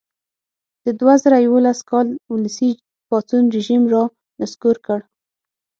د دوه زره یوولس کال ولسي پاڅون رژیم را نسکور کړ.